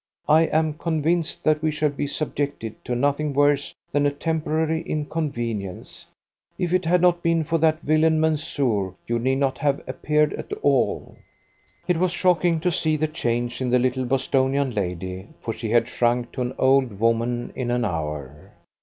I am convinced that we shall be subjected to nothing worse than a temporary inconvenience. If it had not been for that villain Mansoor, you need not have appeared at all." It was shocking to see the change in the little Bostonian lady, for she had shrunk to an old woman in an hour.